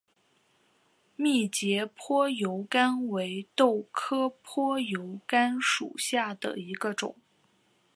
密节坡油甘为豆科坡油甘属下的一个种。